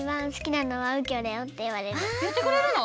いってくれるの？